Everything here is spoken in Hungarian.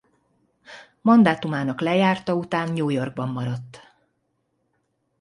Mandátumának lejárta után New Yorkban maradt.